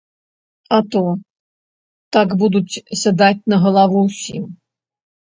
А то, так будуць сядаць на галаву ўсім!